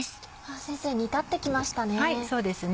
先生煮立って来ましたね。